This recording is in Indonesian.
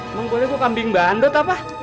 emang boleh gua kambing bandut apa